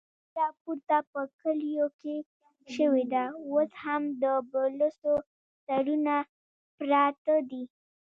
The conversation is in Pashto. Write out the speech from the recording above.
جګړه پورته په کليو کې شوې ده، اوس هم د بلوڅو سرونه پراته دي.